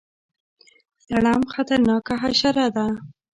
لړم خطرناکه حشره ده